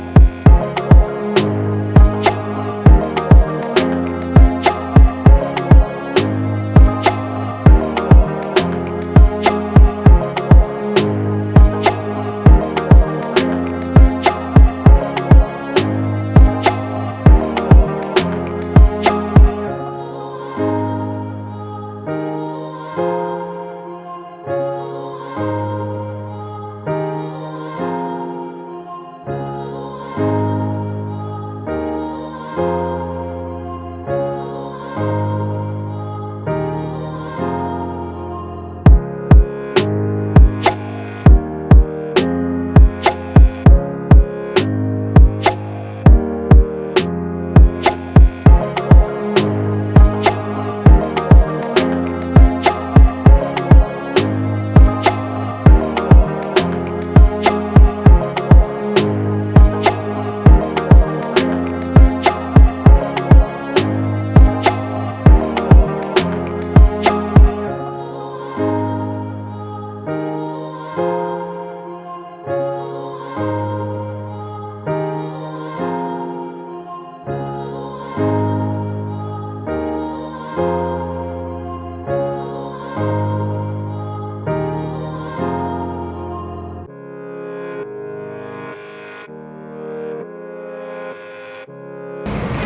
bisa bisa lebih maksimal